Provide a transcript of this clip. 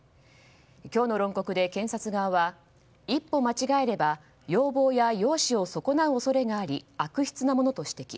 今日の論告で、検察側は一歩間違えれば容貌や容姿を損なう恐れがあり悪質なものと指摘。